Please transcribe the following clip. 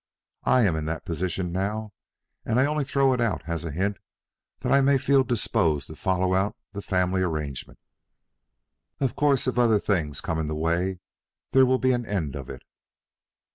I am in that position now, and I only throw it out as a hint that I may feel disposed to follow out the family arrangement. Of course if other things come in the way there will be an end of it.